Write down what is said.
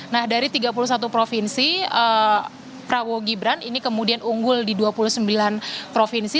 nah dari tiga puluh satu provinsi prabowo gibran ini kemudian unggul di dua puluh sembilan provinsi